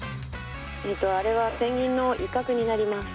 あれはペンギンの威嚇になります。